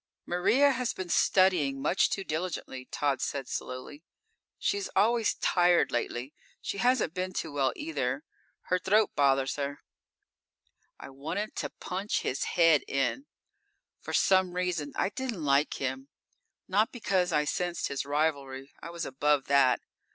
"Maria has been studying much too diligently," Tod said slowly. "She's always tired lately. She hasn't been too well, either. Her throat bothers her." I wanted to punch his head in. For some reason I didn't like him. Not because I sensed his rivalry; I was above that.